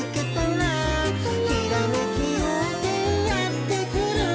「ひらめきようせいやってくる」